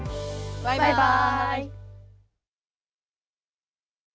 バイバイ。